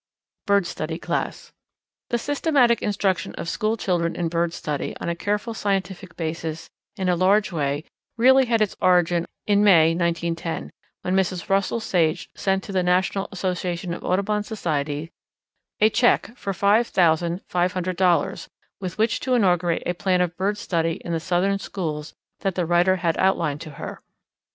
Bird Study Class. The systematic instruction of school children in bird study on a careful scientific basis in a large way really had its origin in May, 1910, when Mrs. Russell Sage sent to the National Association of Audubon Societies a cheque for five thousand five hundred dollars with which to inaugurate a plan of bird study in the Southern schools that the writer had outlined to her.